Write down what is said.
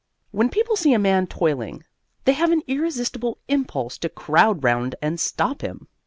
When people see a man toiling, they have an irresistible impulse to crowd round and stop him.